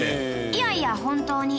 いやいや本当に。